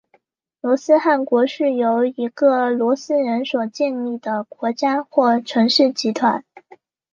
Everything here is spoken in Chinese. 罗斯汗国是一个由罗斯人所建立的国家或城市集团。